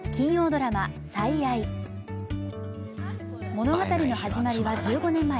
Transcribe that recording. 物語の始まりは１５年前。